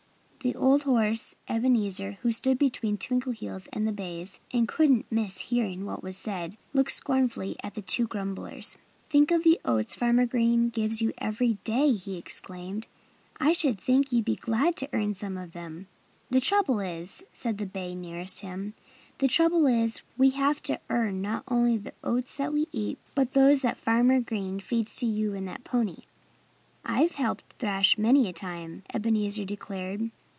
The old horse Ebenezer, who stood between Twinkleheels and the bays and couldn't miss hearing what was said, looked scornfully at the two grumblers. "Think of the oats Farmer Green gives you every day!" he exclaimed. "I should suppose you'd be glad to earn some of them." "The trouble is " said the bay nearest him "the trouble is, we have to earn not only the oats that we eat, but those that Farmer Green feeds to you and that pony." "I've helped thrash many a time," Ebenezer declared.